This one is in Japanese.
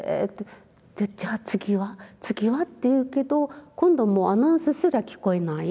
じゃあ次は次はって言うけど今度はアナウンスすら聞こえない。